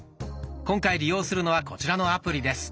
今回利用するのはこちらのアプリです。